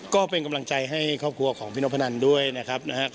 ก็เป็นกำลังใจให้ครอบครัวของพี่นพนันด้วยนะครับ